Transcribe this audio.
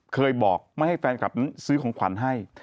เคยบอกไม่ให้แฟนคลับนั้นซื้อของขวัญให้